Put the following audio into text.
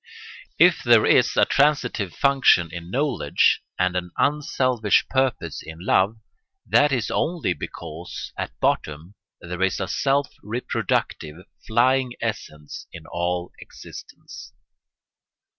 If there is a transitive function in knowledge and an unselfish purpose in love, that is only because, at bottom, there is a self reproductive, flying essence in all existence.